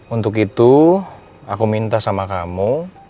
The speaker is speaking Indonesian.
untuk itu aku minta sama kamu